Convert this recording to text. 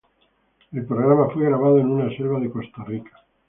El programa fue grabado en una selva de "Costa Rica".